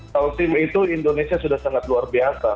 kalau tim itu indonesia sudah sangat luar biasa